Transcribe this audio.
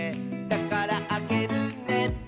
「だからあげるね」